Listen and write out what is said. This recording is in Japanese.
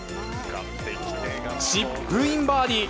チップインバーディー。